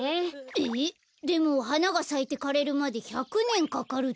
えっでもはながさいてかれるまで１００ねんかかるって。